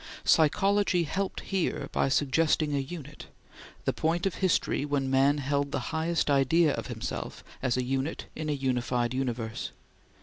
Psychology helped here by suggesting a unit the point of history when man held the highest idea of himself as a unit in a unified universe.